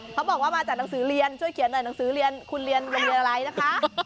เขาบอกว่ามาจากหนังสือเรียนช่วยเขียนหน่อยหนังสือเรียนคุณเรียนโรงเรียนอะไรนะคะ